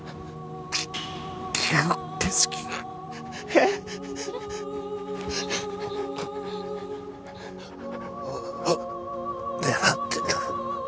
えっ？を狙ってる。